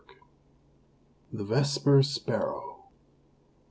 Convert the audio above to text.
THE VESPER SPARROW.